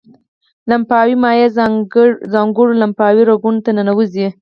لمفاوي مایع ځانګړو لمفاوي رګونو ته ننوزي.